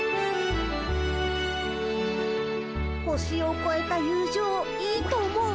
星をこえた友情いいと思う。